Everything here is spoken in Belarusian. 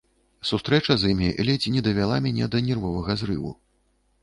Сустрэча з імі ледзь не давяла мяне да нервовага зрыву.